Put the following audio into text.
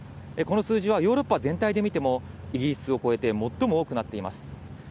この数字はヨーロッパ全体で見ても、イギリスを超えて最も多くなっています。